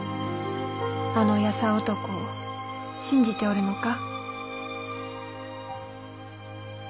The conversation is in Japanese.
あの優男を信じておるのか？